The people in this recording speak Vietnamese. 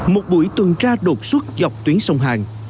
một buổi tuần tra đột xuất dọc tuyến sông hàng